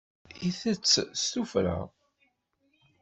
Itett s tuffra.